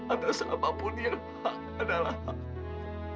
atas apapun yang hak adalah hak